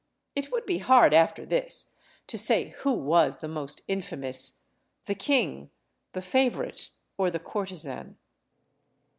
It would be hard, after this, to say who was the most infamous, the king, the favourite, or the courtesan.